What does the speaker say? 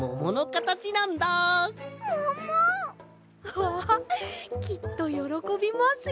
わきっとよろこびますよ！